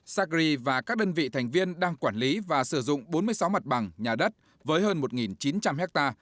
sacri và các đơn vị thành viên đang quản lý và sử dụng bốn mươi sáu mặt bằng nhà đất với hơn một chín trăm linh ha